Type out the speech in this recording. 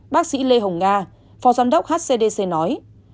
bác sĩ lê hồng nga phó giám đốc hcdc nói